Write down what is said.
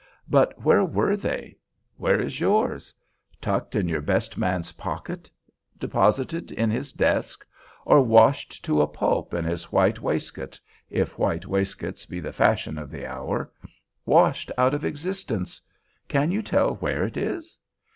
But where were they? Where is yours? Tucked in your best man's pocket; deposited in his desk—or washed to a pulp in his white waistcoat (if white waistcoats be the fashion of the hour), washed out of existence—can you tell where it is?